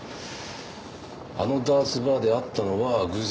あのダーツバーで会ったのは偶然です。